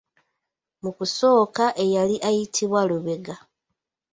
Mu kusooka eyali ayitibwa Lubega.